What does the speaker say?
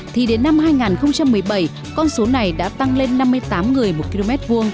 thì đến năm hai nghìn một mươi bảy con số này đã tăng lên năm mươi tám người một km hai